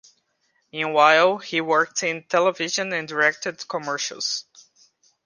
Meanwhile, he worked in television and directed commercials.